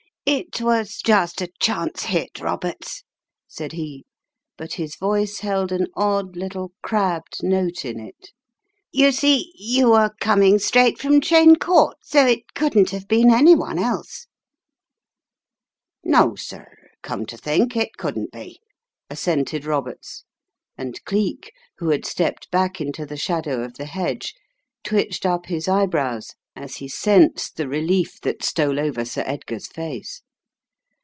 "It was just a chance hit, Roberts," said he, but his voice held an odd little crabbed note in it. "You see, you were coming straight from Cheyne Court, so it couldn't have been any one else." "No, sir, come to think, it couldn't be," assented Roberts, and Cleek, who had stepped back into the shadow of the hedge, twitched up his eyebrows as he sensed the relief that stole over Sir Edgar's face.